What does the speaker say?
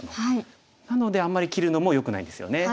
なのであんまり切るのもよくないんですよね。